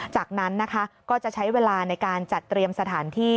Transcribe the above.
จากนั้นนะคะก็จะใช้เวลาในการจัดเตรียมสถานที่